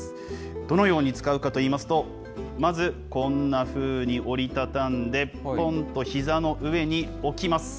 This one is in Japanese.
どのように使うかといいますと、まずこんなふうに折り畳んで、ぽんとひざの上に置きます。